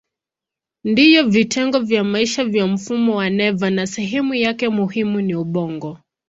Ndiyo vitengo vya msingi vya mfumo wa neva na sehemu yake muhimu ni ubongo.